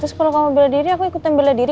terus kalau kamu bela diri aku ikutin bela diri